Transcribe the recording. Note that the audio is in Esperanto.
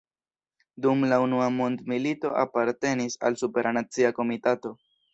Dum la unua mondmilito apartenis al Supera Nacia Komitato.